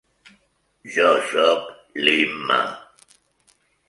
Jo sóc l'Imma.